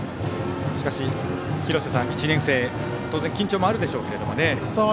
しかし、廣瀬さん、１年生当然、緊張もあるでしょうけどね。